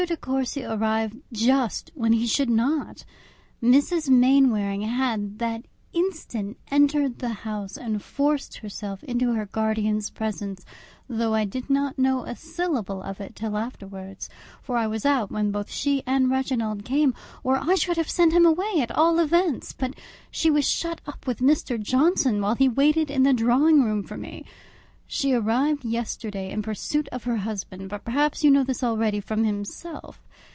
De Courcy arrived just when he should not. Mrs. Mainwaring had that instant entered the house, and forced herself into her guardian's presence, though I did not know a syllable of it till afterwards, for I was out when both she and Reginald came, or I should have sent him away at all events; but she was shut up with Mr. Johnson, while he waited in the drawing room for me. She arrived yesterday in pursuit of her husband, but perhaps you know this already from himself.